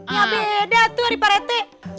ya beda tuh di parete